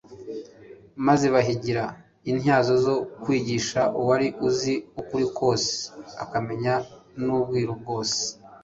maze bahigira intyoza zo kwigisha uwari uzi ukuri kose, akamenya n'ubwiru bwose.